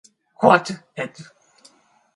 Huot et.